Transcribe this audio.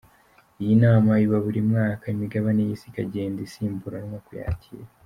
Iyi nama iba buri mwaka, imigabane y’isi ikagenda isimburanwa kuyakira.